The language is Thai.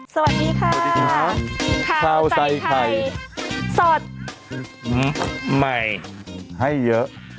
สวัสดีค่ะข้าวใส่ไข่สดใหม่ให้เยอะ